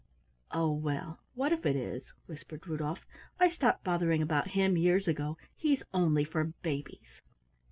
"Oh, well, what if it is?" whispered Rudolf. "I stopped bothering about him years ago. He's only for babies."